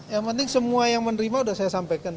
yang penting semua yang menerima sudah saya sampaikan